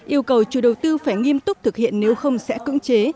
yêu cầu chủ đầu tư phải nghiêm túc thực hiện nếu không sẽ cưỡng chế